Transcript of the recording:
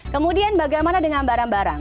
kemudian bagaimana dengan barang barang